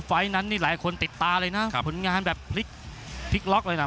ไฟล์นั้นนี่หลายคนติดตาเลยนะผลงานแบบพลิกล็อกเลยนะ